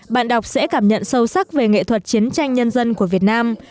bạn đọc sẽ cảm nhận sâu sắc về nghệ thuật chiến tranh nhân dân của việt nam